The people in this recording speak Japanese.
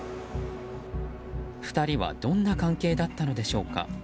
２人はどんな関係だったのでしょうか。